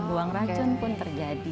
buang racun pun terjadi